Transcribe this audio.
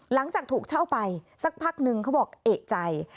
หลังจากถูกเช่าไปสักพักนึงเขาบอกเอกใจ